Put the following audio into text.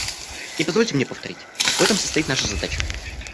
И позвольте мне повторить: в этом состоит наша задача.